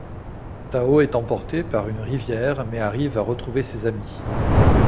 Tao est emporté par une rivière mais arrive à retrouver ses amis.